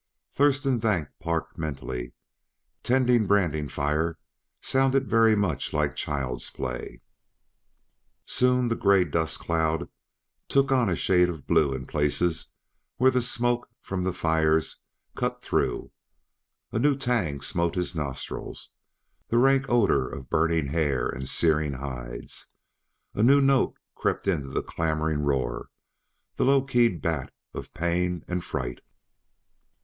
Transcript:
Thurston thanked Park mentally; tending branding fire sounded very much like child's play. Soon the gray dust cloud took on a shade of blue in places where the smoke from the fires cut through; a new tang smote the nostrils: the rank odor of burning hair and searing hides; a new note crept into the clamoring roar: the low keyed blat of pain and fright.